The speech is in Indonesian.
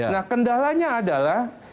nah kendalanya adalah